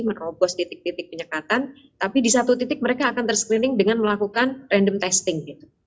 menerobos titik titik penyekatan tapi di satu titik mereka akan ter screening dengan melakukan random testing gitu